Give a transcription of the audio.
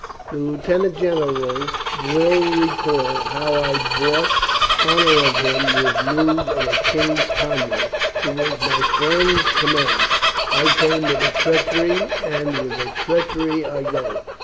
The lieutenant general will recall how I bought honor of him with news of a King's convoy. It was my friend's com mand. I came with a treachery, and with a treach ery I go.